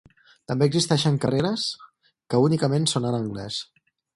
També existeixen carreres que únicament són en anglès.